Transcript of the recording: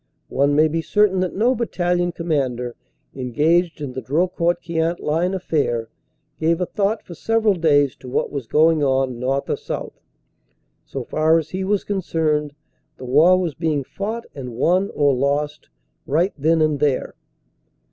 One may be certain that no battalion commander engaged in the Drocourt Queant line affair, gave a thought for several days to what was going on north or south. So far as he was concerned, the war was being fought and won or lost right then and there.